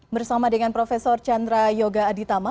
bersama dengan prof chandra yoga aditama